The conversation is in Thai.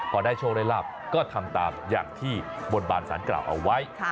พอได้โชคได้ลาบก็ทำตามอย่างที่บนบานสารกล่าวเอาไว้